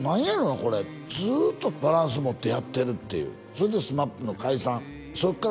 これずっとバランス持ってやってるっていうそれでＳＭＡＰの解散そっから